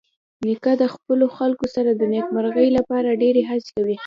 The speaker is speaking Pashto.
نیکه د خپلو خلکو سره د نیکمرغۍ لپاره ډېرې هڅې کوي.